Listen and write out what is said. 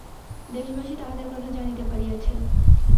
দেশবাসী তাহাদের কথা জানিতে পারিয়াছে।